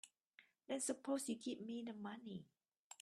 Then suppose you give me the money.